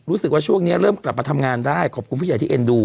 รู้สึกว่าช่วงนี้เริ่มกลับมาทำงานได้ขอบคุณผู้ใหญ่ที่เอ็นดู